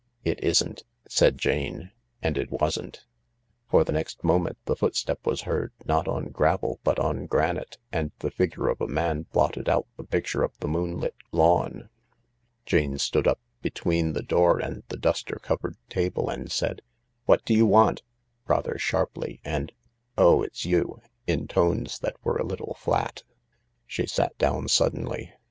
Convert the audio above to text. "It isn't," said Jane. And it wasn't. For the next moment the footstep was heard, not on gravel, but on granite, and the figure of a man blotted out the picture of the moon lit lawn. Jane stood up between the door and the duster covered table, and said, "What do you want?" rather sharply, and, "Oh, it's you 1" in tones that were a little flat. She sat down suddenly.